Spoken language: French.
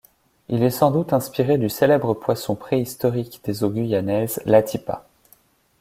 Il est sans doute inspiré du célèbre poisson préhistorique des eaux guyanaises, l'Atipa.